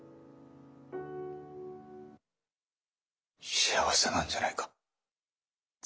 幸せなんじゃないか。